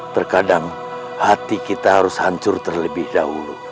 terkadang hati kita harus hancur terlebih dahulu